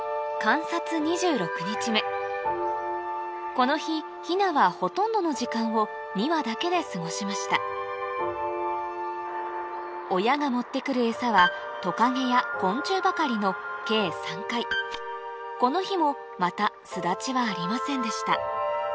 この日ヒナはほとんどの時間を２羽だけで過ごしました親が持ってくる餌はトカゲや昆虫ばかりの計３回この日もまた巣立ちはありませんでした